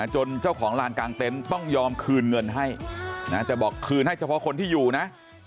เจ้าของลานกลางเต็นต์ต้องยอมคืนเงินให้แต่บอกคืนให้เฉพาะคนที่อยู่นะ